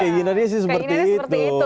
kayak gini aja sih seperti itu